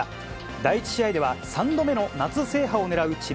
第１試合では、３度目の夏制覇を狙う智弁